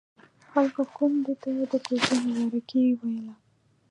خلکو کونډې ته د کوژدې مبارکي ويله.